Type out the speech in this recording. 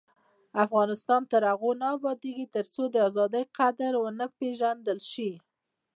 افغانستان تر هغو نه ابادیږي، ترڅو د ازادۍ قدر ونه پیژندل شي.